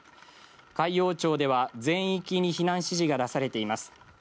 海陽町では全域に避難指示が出されています。